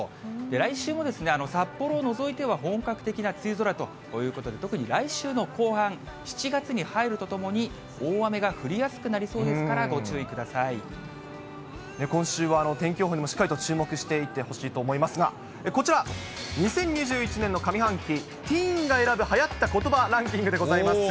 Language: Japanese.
来週も札幌を除いては、本格的な梅雨空ということで、特に来週の後半、７月に入るとともに、大雨が降りやすくなりそう今週は、天気予報にもしっかりと注目していってほしいと思いますが、こちら、２０２１年の上半期、ティーンが選ぶ流行ったコトバランキングでございます。